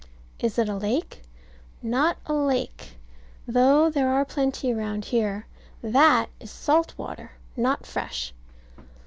Is it a lake? Not a lake, though there are plenty round here; that is salt water, not fresh.